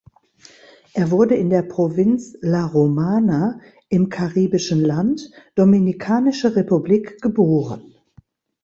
Er wurde in der Provinz La Romana im karibischen Land Dominikanische Republik geboren.